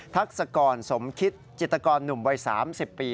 ทักษกรสมคิตจิตกรหนุ่มวัย๓๐ปี